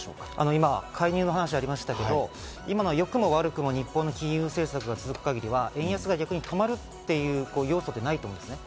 今、介入の話がありましたけど、良くも悪くも日本の金融政策が続く限りは円安が逆に止まるという要素がないと思うんです。